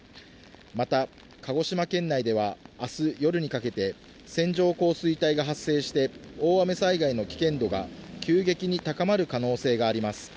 また、鹿児島県内では、あす夜にかけて、線状降水帯が発生して、大雨災害の危険度が急激に高まる可能性があります。